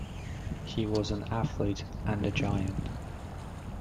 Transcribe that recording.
He was an athlete and a giant.